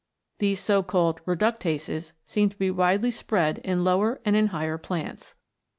These so called Reductases seem to be widely spread in lower and in higher plants.